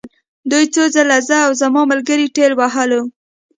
دوی څو ځله زه او زما ملګري ټېل وهلو